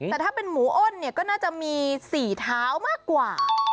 แต่ถ้าเป็นหมูอ้นก็น่าจะมีสี่เท้ามากกว่า